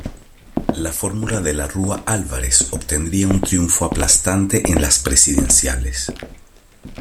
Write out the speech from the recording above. La fórmula De la Rúa-Álvarez obtendría un triunfo aplastante en las presidenciales.